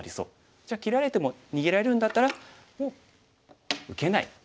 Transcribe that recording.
じゃあ切られても逃げられるんだったらもう受けない。